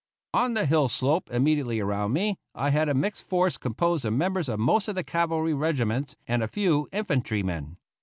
On the hill slope immediately around me I had a mixed force composed of members of most of the cavalry regiments, and a few infantrymen.